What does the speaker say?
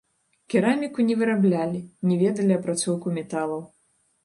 Кераміку не выраблялі, не ведалі апрацоўку металаў.